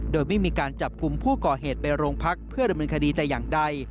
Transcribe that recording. โดยไม่มีการจับกลุ่มผู้ก่อเหตุไปโรงพักเพื่อดำเนินคดีแต่อย่างใด